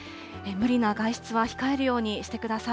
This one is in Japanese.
無理な外出は控えるようにしてください。